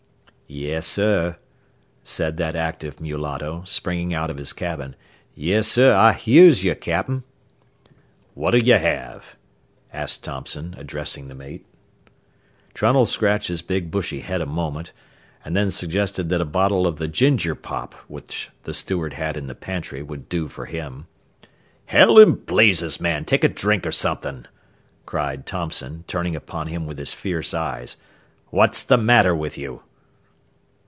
"Yessir," said that active mulatto, springing out of his cabin. "Yessir; I hears yo', cap'n." "What'll you have?" asked Thompson, addressing the mate. Trunnell scratched his big bushy head a moment, and then suggested that a bottle of the ginger pop which the steward had in the pantry would do for him. "Hell'n blazes, man, take a drink o' something," cried Thompson, turning upon him with his fierce eyes. "What's the matter with you?"